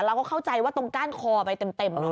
เราก็เข้าใจว่าก้านคอไปเต็ม